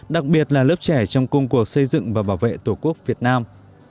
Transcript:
đặc biệt là lớp trẻ trong công cuộc xây dựng và bảo vệ tổ quốc việt nam